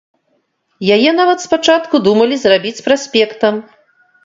Яе нават спачатку думалі зрабіць праспектам.